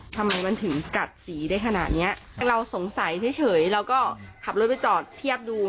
ทำไมมันถึงกัดสีได้ขนาดเนี้ยเราสงสัยเฉยเราก็ขับรถไปจอดเทียบดู